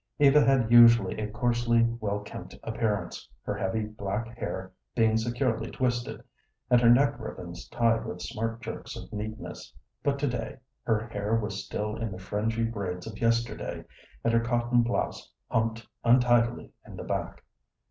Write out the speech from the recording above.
Eva had usually a coarsely well kempt appearance, her heavy black hair being securely twisted, and her neck ribbons tied with smart jerks of neatness; but to day her hair was still in the fringy braids of yesterday, and her cotton blouse humped untidily in the back.